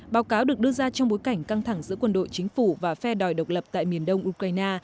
báo cáo được đưa ra trong bối cảnh căng thẳng giữa quân đội chính phủ và phe đòi độc lập tại miền đông ukraine